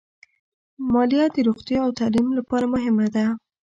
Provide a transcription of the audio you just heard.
مالیه د روغتیا او تعلیم لپاره مهمه ده.